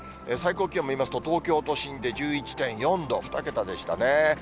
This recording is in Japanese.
最高気温見ますと、東京都心で１１．４度、２桁でしたね。